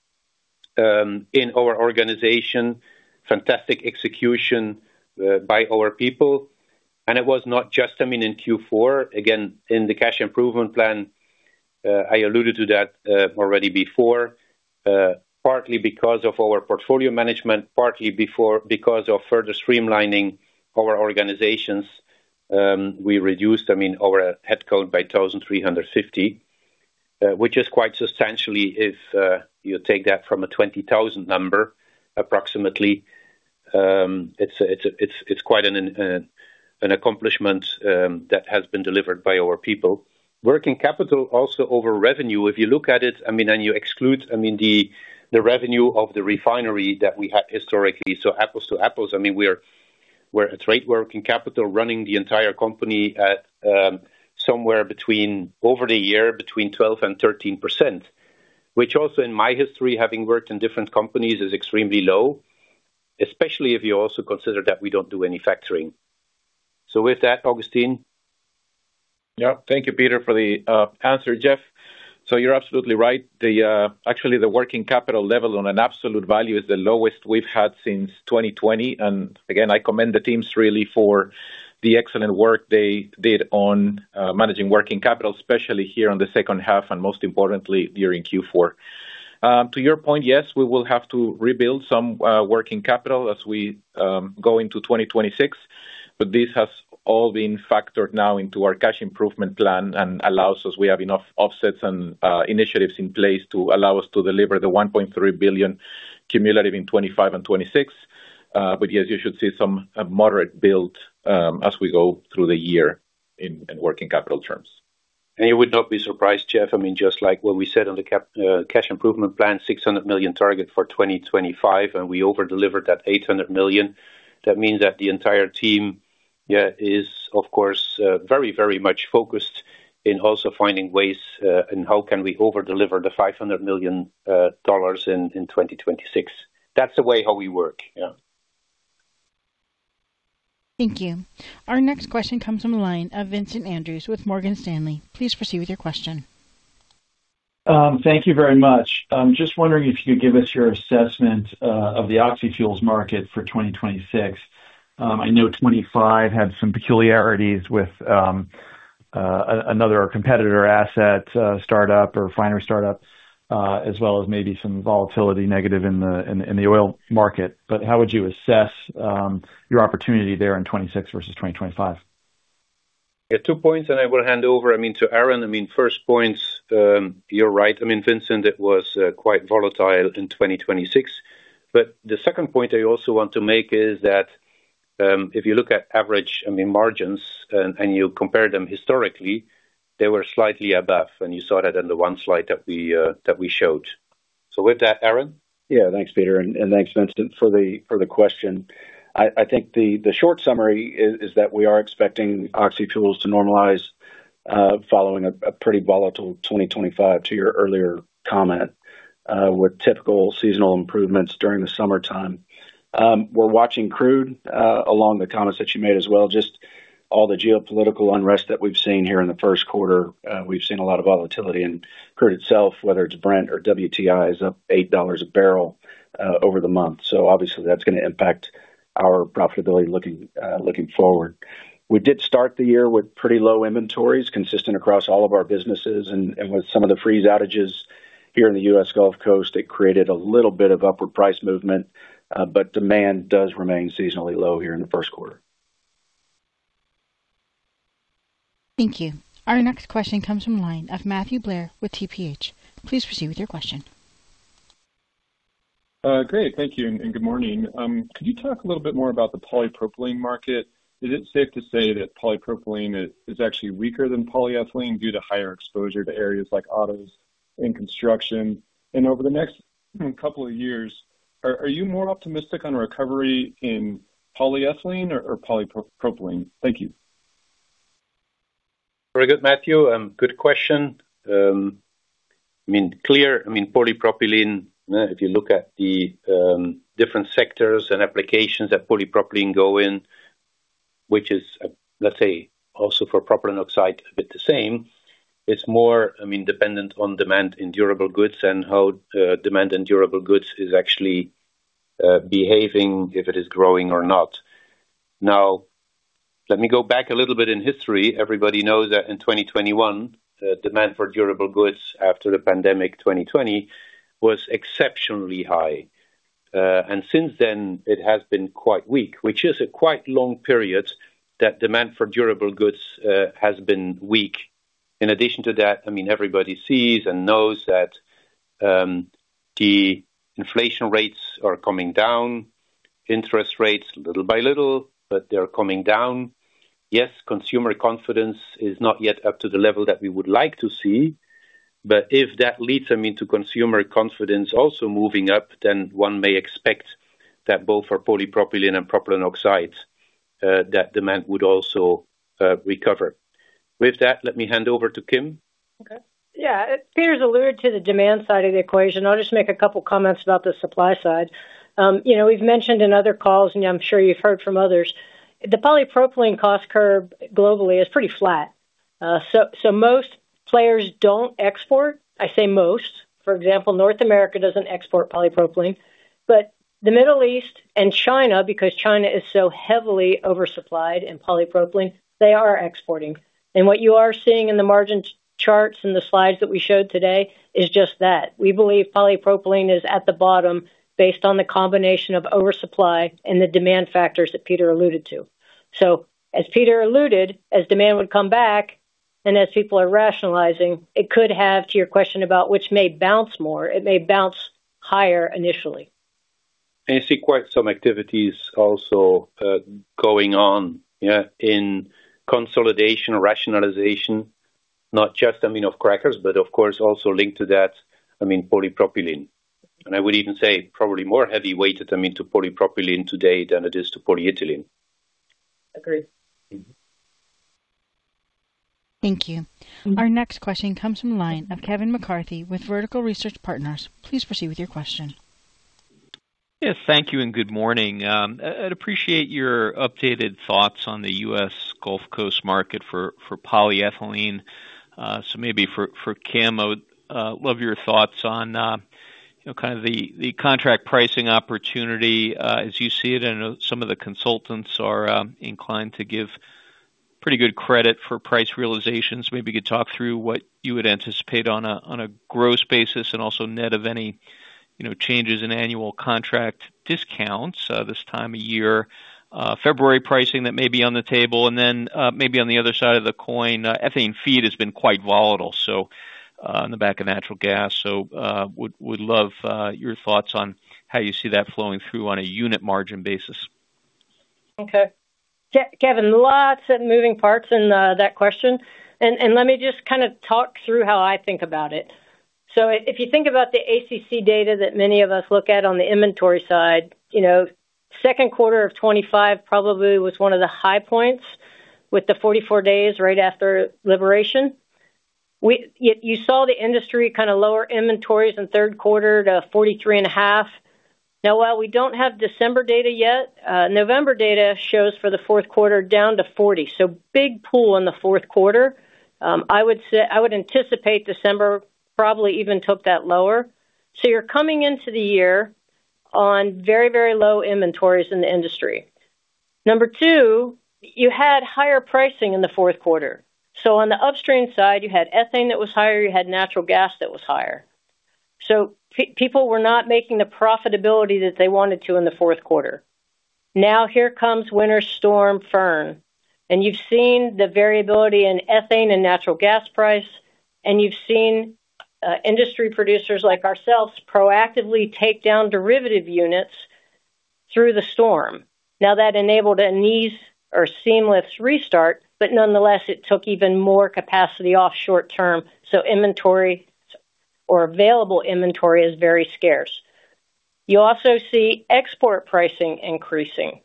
in our organization, fantastic execution by our people. And it was not just, I mean, in Q4, again, in the cash improvement plan, I alluded to that already before, partly because of our portfolio management, partly because of further streamlining our organizations. We reduced, I mean, our headcount by 1,350, which is quite substantially if you take that from a 20,000 number, approximately. It's a, it's, it's quite an, an accomplishment that has been delivered by our people. Working capital also over revenue. If you look at it, I mean, and you exclude, I mean, the revenue of the refinery that we had historically, so apples to apples. I mean, we're, we're at rate working capital, running the entire company at somewhere between... Over the year, between 12% and 13%, which also in my history, having worked in different companies, is extremely low, especially if you also consider that we don't do any factoring. So with that, Agustin? Thank you, Peter, for the answer, Jeff. So you're absolutely right. The actually, the working capital level on an absolute value is the lowest we've had since 2020. And again, I commend the teams really for the excellent work they did on managing working capital, especially here on the H2 and most importantly, during Q4. To your point, yes, we will have to rebuild some working capital as we go into 2026.... but this has all been factored now into our cash improvement plan and allows us. We have enough offsets and initiatives in place to allow us to deliver the $1.3 billion cumulative in 2025 and 2026. But yes, you should see some moderate build as we go through the year in working capital terms. And you would not be surprised, Jeff, I mean, just like what we said on the cap, cash improvement plan, $600 million target for 2025, and we over-delivered that $800 million. That means that the entire team is, of course, very, very much focused in also finding ways in how can we over-deliver the $500 million dollars in 2026. That's the way how we work. Thank you. Our next question comes from the line of Vincent Andrews with Morgan Stanley. Please proceed with your question. Thank you very much. Just wondering if you could give us your assessment of the oxyfuels market for 2026. I know 2025 had some peculiarities with another competitor asset startup or refinery startup, as well as maybe some volatility negative in the oil market. But how would you assess your opportunity there in 2026 versus 2025? Two points, and I will hand over, I mean, to Aaron. I mean, first points, you're right. I mean, Vincent, it was quite volatile in 2026. But the second point I also want to make is that, if you look at average, I mean, margins and, and you compare them historically, they were slightly above, and you saw that in the one slide that we, that we showed. So with that, Aaron? Thanks, Peter, and thanks, Vincent, for the question. I think the short summary is that we are expecting oxyfuels to normalize following a pretty volatile 2025 to your earlier comment, with typical seasonal improvements during the summertime. We're watching crude along the comments that you made as well, just all the geopolitical unrest that we've seen here in the Q1. We've seen a lot of volatility in crude itself, whether it's Brent or WTI, is up $8 a barrel over the month. So obviously that's gonna impact our profitability looking forward. We did start the year with pretty low inventories, consistent across all of our businesses, and with some of the freeze outages here in the US Gulf Coast, it created a little bit of upward price movement, but demand does remain seasonally low here in the Q1. Thank you. Our next question comes from line of Matthew Blair with TPH. Please proceed with your question. Great. Thank you, and good morning. Could you talk a little bit more about the Polypropylene market? Is it safe to say that Polypropylene is actually weaker than Polyethylene due to higher exposure to areas like autos and construction? And over the next couple of years, are you more optimistic on recovery in Polyethylene or Polypropylene? Thank you. Very good, Matthew, good question. I mean, polypropylene, if you look at the different sectors and applications that polypropylene go in, which is, let's say, also for propylene oxide, a bit the same, it's more, I mean, dependent on demand in durable goods and how demand in durable goods is actually behaving, if it is growing or not. Now, let me go back a little bit in history. Everybody knows that in 2021, the demand for durable goods after the pandemic, 2020, was exceptionally high. And since then, it has been quite weak, which is a quite long period that demand for durable goods has been weak. In addition to that, I mean, everybody sees and knows that the inflation rates are coming down, interest rates little by little, but they're coming down. Yes, consumer confidence is not yet up to the level that we would like to see, but if that leads them into consumer confidence also moving up, then one may expect that both for polypropylene and propylene oxides, that demand would also recover. With that, let me hand over to Kim. Peter's alluded to the demand side of the equation. I'll just make a couple comments about the supply side. You know, we've mentioned in other calls, and I'm sure you've heard from others, the polypropylene cost curve globally is pretty flat. So most players don't export. I say most. For example, North America doesn't export polypropylene, but the Middle East and China, because China is so heavily oversupplied in polypropylene, they are exporting. And what you are seeing in the margin charts and the slides that we showed today is just that. We believe polypropylene is at the bottom based on the combination of oversupply and the demand factors that Peter alluded to. So as Peter alluded, as demand would come back and as people are rationalizing, it could have, to your question about which may bounce more, it may bounce higher initially. You see quite some activities also going on in consolidation, rationalization, not just, I mean, of crackers, but of course also linked to that, I mean, polypropylene. And I would even say probably more heavy weighted, I mean, to polypropylene today than it is to polyethylene. Agreed. Mm-hmm. Thank you. Our next question comes from the line of Kevin McCarthy with Vertical Research Partners. Please proceed with your question. Yes, thank you, and good morning. I'd appreciate your updated thoughts on the US Gulf Coast market for polyethylene. So maybe for Kim, I would love your thoughts on the contract pricing opportunity as you see it, and some of the consultants are inclined to give-... pretty good credit for price realizations. Maybe you could talk through what you would anticipate on a gross basis and also net of any, you know, changes in annual contract discounts, this time of year, February pricing that may be on the table, and then, maybe on the other side of the coin, ethane feed has been quite volatile, so, on the back of natural gas. So, would love your thoughts on how you see that flowing through on a unit margin basis. Okay. Kevin, lots of moving parts in that question. And let me just talk through how I think about it. So if you think about the ACC data that many of us look at on the inventory side, you know, Q2 of 2025 probably was one of the high points with the 44 days right after liberation. You saw the industry lower inventories in Q3 to 43.5. Now, while we don't have December data yet, November data shows for the Q4 down to 40, so big pull in the Q4. I would say I would anticipate December probably even took that lower. So you're coming into the year on very, very low inventories in the industry. Number two, you had higher pricing in the Q4. So on the upstream side, you had ethane that was higher, you had natural gas that was higher. So people were not making the profitability that they wanted to in the Q4. Now, here comes Winter Storm Fern, and you've seen the variability in ethane and natural gas price, and you've seen industry producers like ourselves proactively take down derivative units through the storm. Now, that enabled a nice or seamless restart, but nonetheless, it took even more capacity off short term, so inventory or available inventory is very scarce. You also see export pricing increasing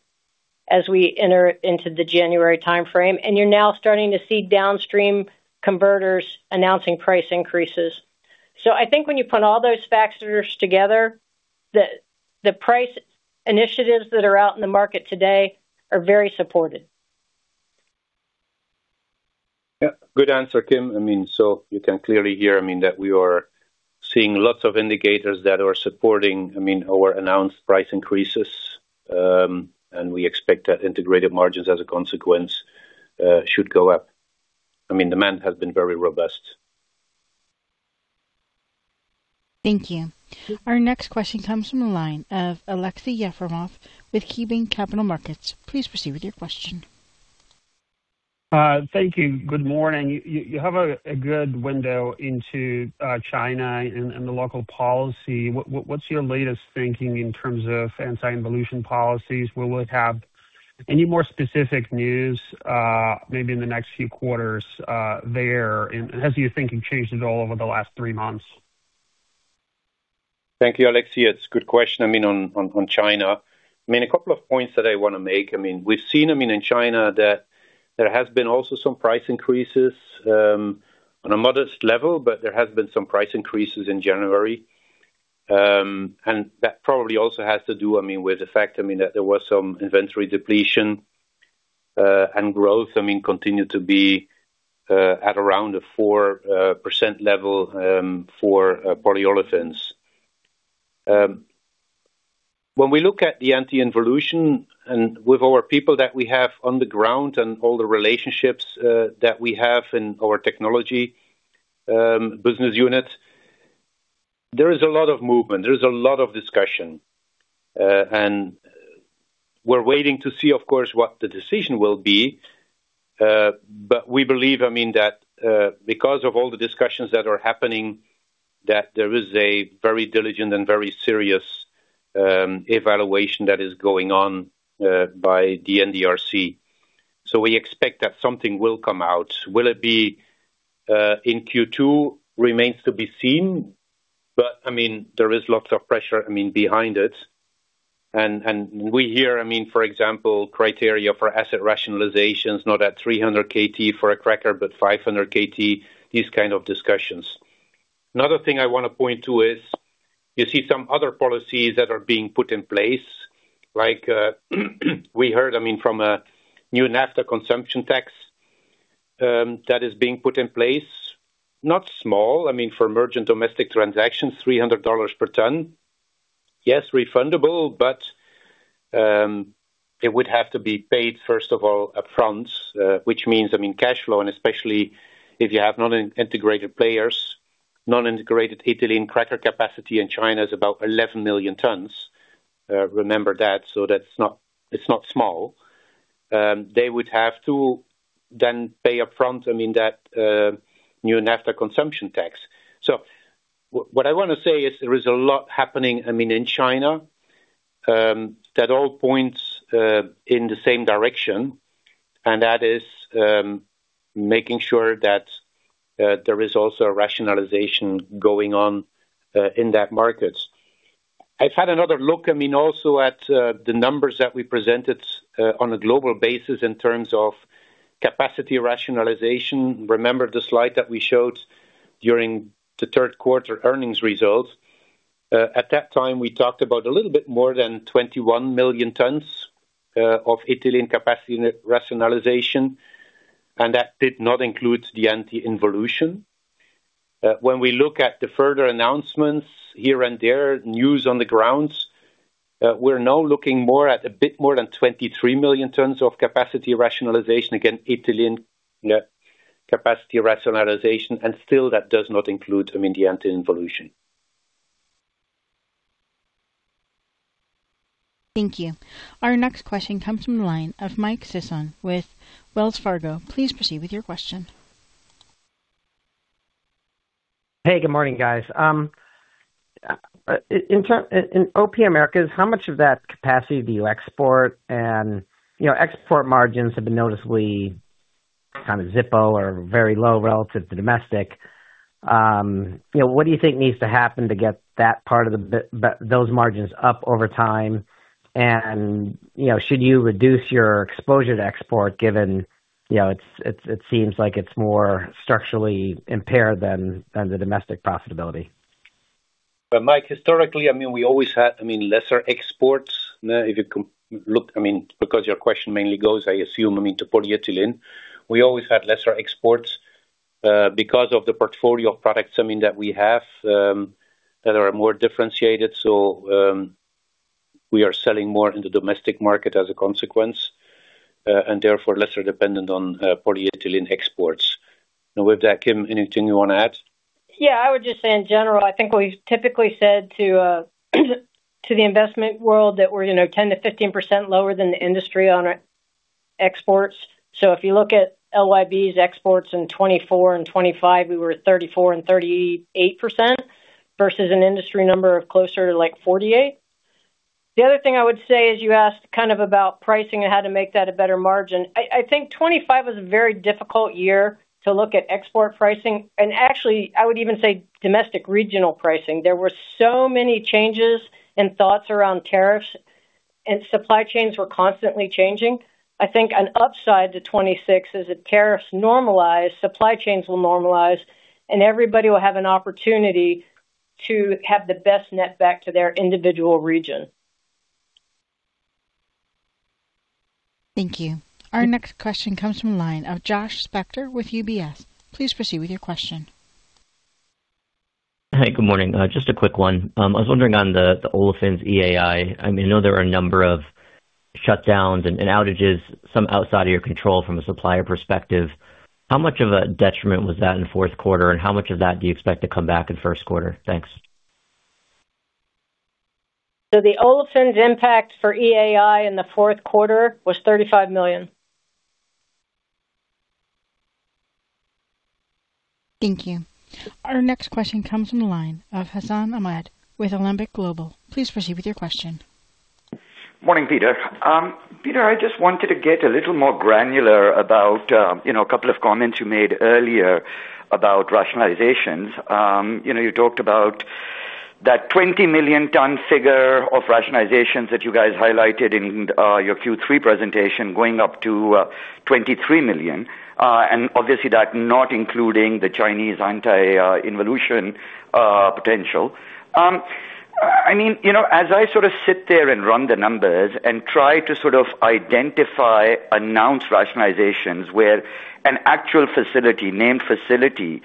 as we enter into the January timeframe, and you're now starting to see downstream converters announcing price increases. So I think when you put all those factors together, the price initiatives that are out in the market today are very supported. Good answer, Kim. I mean, so you can clearly hear, I mean, that we are seeing lots of indicators that are supporting, I mean, our announced price increases, and we expect that integrated margins as a consequence should go up. I mean, demand has been very robust. Thank you. Our next question comes from the line of Aleksey Yefremov with KeyBanc Capital Markets. Please proceed with your question. Thank you. Good morning. You have a good window into China and the local policy. What's your latest thinking in terms of anti-involution policies? Will we have any more specific news, maybe in the next few quarters, there? And has your thinking changed at all over the last three months? Thank you, Alexei. It's a good question, I mean, on China. I mean, a couple of points that I wanna make. I mean, we've seen, I mean, in China that there has been also some price increases on a modest level, but there has been some price increases in January. And that probably also has to do, I mean, with the fact, I mean, that there was some inventory depletion and growth, I mean, continued to be at around a 4% level for polyolefins. When we look at the anti-involution and with our people that we have on the ground and all the relationships that we have in our technology business unit, there is a lot of movement, there is a lot of discussion. and we're waiting to see, of course, what the decision will be, but we believe, I mean, that, because of all the discussions that are happening, that there is a very diligent and very serious, evaluation that is going on, by the NDRC. So we expect that something will come out. Will it be in Q2? Remains to be seen, but I mean, there is lots of pressure, I mean, behind it. And we hear, I mean, for example, criteria for asset rationalizations, not at 300 KT for a cracker, but 500 KT, these discussions. Another thing I wanna point to is, you see some other policies that are being put in place, like, we heard, I mean, from a new naphtha consumption tax, that is being put in place, not small, I mean, for merchant domestic transactions, $300 per ton. Yes, refundable, but, it would have to be paid, first of all, upfront, which means, I mean, cash flow, and especially if you have non-integrated players, non-integrated ethylene cracker capacity in China is about 11 million tons. Remember that, so that's not small. It's not small. They would have to then pay upfront, I mean, that, new naphtha consumption tax. So what I wanna say is there is a lot happening, I mean, in China, that all points in the same direction, and that is making sure that there is also a rationalization going on in that market. I've had another look, I mean, also at the numbers that we presented on a global basis in terms of capacity rationalization. Remember the slide that we showed during the Q3 earnings results? At that time, we talked about a little bit more than 21 million tons of ethylene capacity rationalization, and that did not include the anti-involution.... When we look at the further announcements here and there, news on the grounds, we're now looking more at a bit more than 23 million tons of capacity rationalization, again, ethylene capacity rationalization, and still that does not include, I mean, the anti-involution. Thank you. Our next question comes from the line of Mike Sisson with Wells Fargo. Please proceed with your question. Hey, good morning, guys. In O&P Americas, how much of that capacity do you export? And, you know, export margins have been noticeably zippo or very low relative to domestic. You know, what do you think needs to happen to get those margins up over time? And, you know, should you reduce your exposure to export, given, you know, it seems like it's more structurally impaired than the domestic profitability. But Mike, historically, I mean, we always had lesser exports. If you look, I mean, because your question mainly goes, I assume, I mean, to polyethylene. We always had lesser exports, because of the portfolio of products, I mean, that we have, that are more differentiated. So, we are selling more in the domestic market as a consequence, and therefore lesser dependent on polyethylene exports. And with that, Kim, anything you want to add? I would just say in general, I think we've typically said to the investment world that we're, you know, 10%-15% lower than the industry on our exports. So if you look at LYB's exports in 2024 and 2025, we were at 34% and 38% versus an industry number of closer to, like, 48%. The other thing I would say is you asked about pricing and how to make that a better margin. I think 2025 was a very difficult year to look at export pricing, and actually, I would even say domestic regional pricing. There were so many changes and thoughts around tariffs, and supply chains were constantly changing. I think an upside to 2026 is if tariffs normalize, supply chains will normalize, and everybody will have an opportunity to have the best net back to their individual region. Thank you. Our next question comes from the line of Josh Spector with UBS. Please proceed with your question. Hey, good morning. Just a quick one. I was wondering on the olefins EAI, I mean, I know there are a number of shutdowns and outages, some outside of your control from a supplier perspective. How much of a detriment was that in the Q4, and how much of that do you expect to come back in the Q1? Thanks. The olefins impact for EAI in the Q4 was $35 million. Thank you. Our next question comes from the line of Hassan Ahmed with Alembic Global Advisors. Please proceed with your question. Morning, Peter. Peter, I just wanted to get a little more granular about, you know, a couple of comments you made earlier about rationalizations. You know, you talked about that 20 million ton figure of rationalizations that you guys highlighted in, your Q3 presentation going up to, 23 million, and obviously that not including the Chinese anti-involution potential. I mean, you know, as I sit there and run the numbers and try to identify, announce rationalizations where an actual facility, named facility,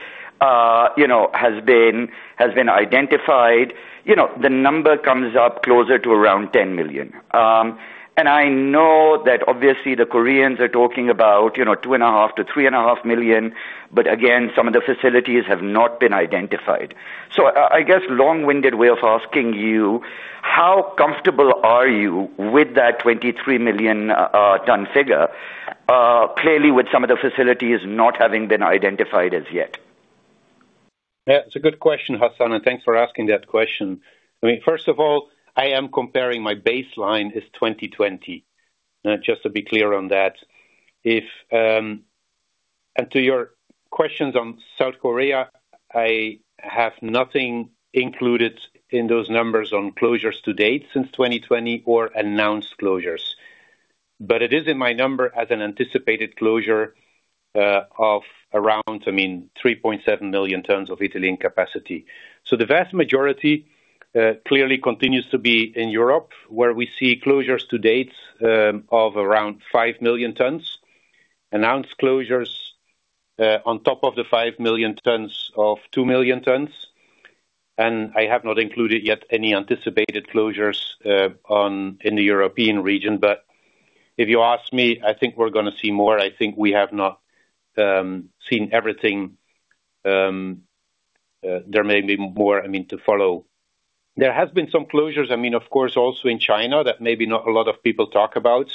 you know, has been, has been identified, you know, the number comes up closer to around 10 million. And I know that obviously the Koreans are talking about, you know, 2.5-3.5 million, but again, some of the facilities have not been identified. So I, I guess, long-winded way of asking you, how comfortable are you with that 23 million ton figure, clearly with some of the facilities not having been identified as yet? It's a good question, Hassan, and thanks for asking that question. I mean, first of all, I am comparing my baseline is 2020. Just to be clear on that, if. And to your questions on South Korea, I have nothing included in those numbers on closures to date since 2020 or announced closures. But it is in my number as an anticipated closure of around, I mean, 3.7 million tons of ethylene capacity. So the vast majority clearly continues to be in Europe, where we see closures to date of around 5 million tons. Announced closures on top of the 5 million tons of 2 million tons, and I have not included yet any anticipated closures on in the European region. But if you ask me, I think we're gonna see more. I think we have not seen everything. There may be more, I mean, to follow. There has been some closures, I mean, of course, also in China, that maybe not a lot of people talk about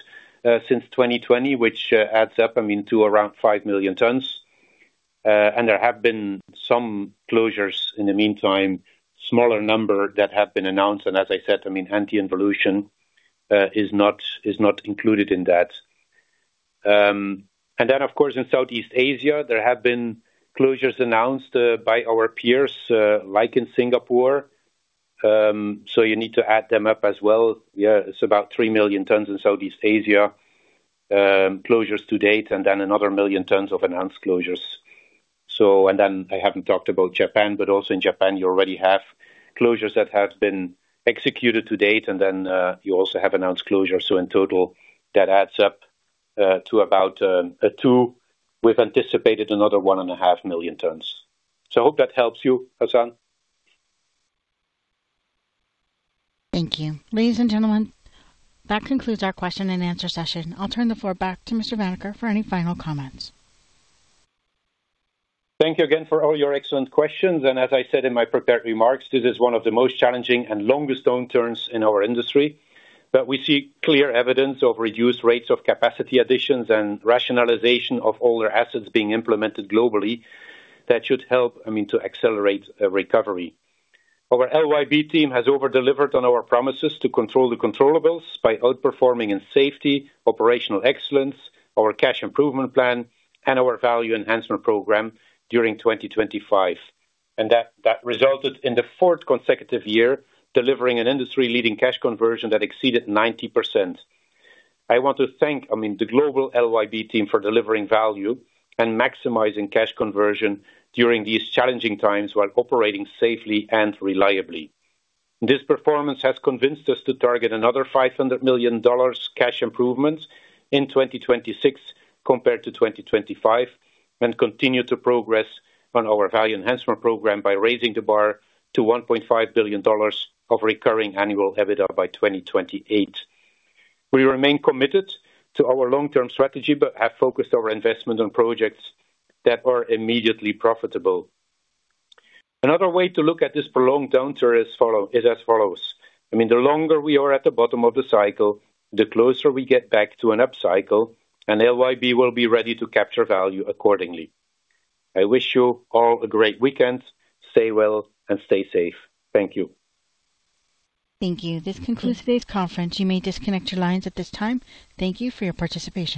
since 2020, which adds up, I mean, to around 5 million tons. And there have been some closures in the meantime, smaller number that have been announced, and as I said, I mean, anti-involution is not, is not included in that. And then, of course, in Southeast Asia, there have been closures announced by our peers like in Singapore. So you need to add them up as well. It's about 3 million tons in Southeast Asia, closures to date, and then another million tons of announced closures. So... And then I haven't talked about Japan, but also in Japan, you already have closures that have been executed to date, and then you also have announced closures, so in total, that adds up to about two. We've anticipated another 1.5 million tons. So I hope that helps you, Hassan. Thank you. Ladies and gentlemen, that concludes our question and answer session. I'll turn the floor back to Mr. Vanacker for any final comments. Thank you again for all your excellent questions, and as I said in my prepared remarks, this is one of the most challenging and longest downturns in our industry. But we see clear evidence of reduced rates of capacity additions and rationalization of older assets being implemented globally that should help, I mean, to accelerate a recovery. Our LYB team has over-delivered on our promises to control the controllables by outperforming in safety, operational excellence, our cash improvement plan, and our Value Enhancement Program during 2025. And that, that resulted in the fourth consecutive year, delivering an industry-leading cash conversion that exceeded 90%. I want to thank, I mean, the global LYB team for delivering value and maximizing cash conversion during these challenging times while operating safely and reliably. This performance has convinced us to target another $500 million cash improvement in 2026 compared to 2025, and continue to progress on our value enhancement program by raising the bar to $1.5 billion of recurring annual EBITDA by 2028. We remain committed to our long-term strategy, but have focused our investment on projects that are immediately profitable. Another way to look at this prolonged downturn is as follows: I mean, the longer we are at the bottom of the cycle, the closer we get back to an upcycle, and LYB will be ready to capture value accordingly. I wish you all a great weekend. Stay well and stay safe. Thank you. Thank you. This concludes today's conference. You may disconnect your lines at this time. Thank you for your participation.